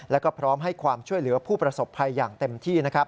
แล้วก็พร้อมให้ความช่วยเหลือผู้ประสบภัยอย่างเต็มที่